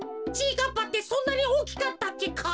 かっぱってそんなにおおきかったっけか？